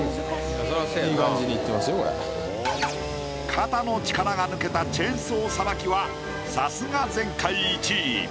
肩の力が抜けたチェーンソーさばきはさすが前回１位。